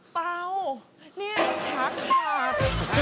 เป้านี่ค้าขาด